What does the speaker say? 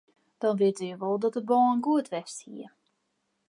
Dan witte je wol dat de bân goed west hie.